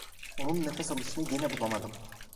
Onun nefes alışını gene bulamadım.